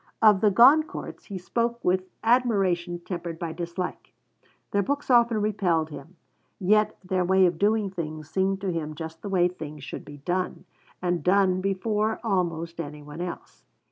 Of the Goncourts he spoke with admiration tempered by dislike. Their books often repelled him, yet their way of doing things seemed to him just the way things should be done; and done before almost any one else.